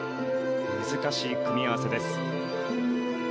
難しい組み合わせです。